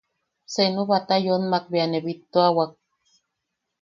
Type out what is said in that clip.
Seenu Batayonmak bea ne bittuawak.